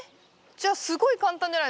じゃあすごい簡単じゃないですか。